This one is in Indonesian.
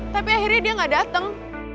tapi akhirnya dia gak datang